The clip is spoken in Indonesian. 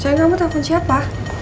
sayang kamu telepon siapa